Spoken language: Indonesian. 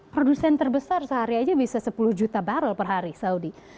produsen terbesar sehari aja bisa sepuluh juta barrel per hari saudi